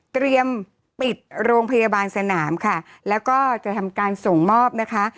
เตรียมปิดโรงพยาบาลสนามค่ะแล้วก็จะทำการส่งมอบนะคะ